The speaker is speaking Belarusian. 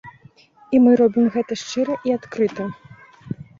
І мы робім гэта шчыра і адкрыта.